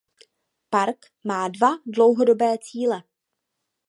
Park má dva dlouhodobé cíle.